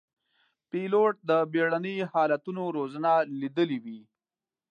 پیلوټ د بېړني حالتونو روزنه لیدلې وي.